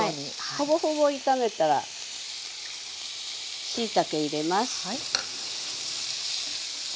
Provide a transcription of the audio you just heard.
ほぼほぼ炒めたらしいたけ入れます。